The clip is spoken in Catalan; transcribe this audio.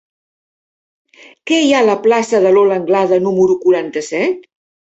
Què hi ha a la plaça de Lola Anglada número quaranta-set?